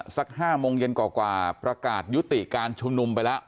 สัก๕โมงเย็นกว่าประกาศยุติการชุมนุมไปแล้ว